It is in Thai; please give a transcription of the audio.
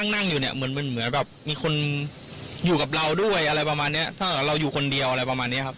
นั่งอยู่เนี่ยเหมือนเหมือนแบบมีคนอยู่กับเราด้วยอะไรประมาณเนี้ยถ้าเกิดเราอยู่คนเดียวอะไรประมาณนี้ครับ